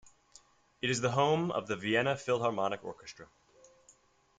It is the home of the Vienna Philharmonic orchestra.